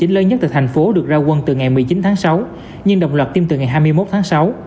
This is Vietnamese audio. lớn nhất từ thành phố được ra quân từ ngày một mươi chín tháng sáu nhưng đồng loạt tiêm từ ngày hai mươi một tháng sáu